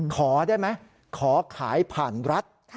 ขอได้ไหมขอขายผ่านรัฐ